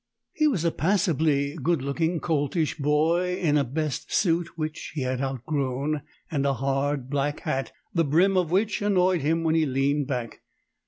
He was a passably good looking coltish boy, in a best suit which he had outgrown, and a hard black hat, the brim of which annoyed him when he leaned back.